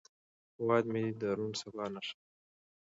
هیواد مې د روڼ سبا نښه ده